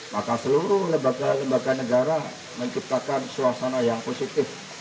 maka seluruh lembaga lembaga negara menciptakan suasana yang positif